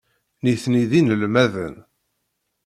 Nitni d inelmaden.